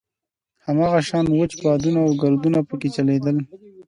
هماغه شان وچ بادونه او ګردونه په کې چلېدل.